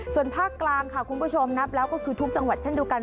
ส่วนภาคกลางค่ะคุณผู้ชมนับแล้วก็คือทุกจังหวัดเช่นเดียวกัน